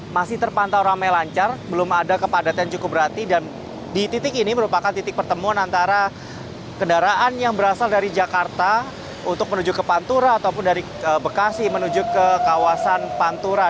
masih terpantau ramai lancar belum ada kepadatan cukup berarti dan di titik ini merupakan titik pertemuan antara kendaraan yang berasal dari jakarta untuk menuju ke pantura ataupun dari bekasi menuju ke kawasan pantura